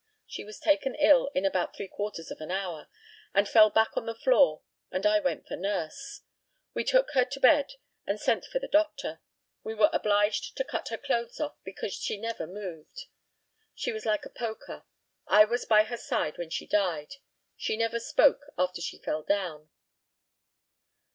She was taken ill in about three quarters of an hour. She fell back on the floor, and I went for the nurse. We took her to bed and sent for the doctor. We were obliged to cut her clothes off, because she never moved. She was like a poker. I was by her side when she died. She never spoke after she fell down.